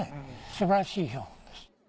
すばらしい標本です。